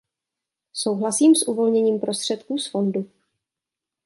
Souhlasím s uvolněním prostředků z fondu.